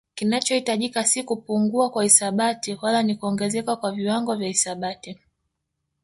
Kinachohitajika si kupungua kwa hisabati wala ni kuongezeka kwa viwango vya hisabati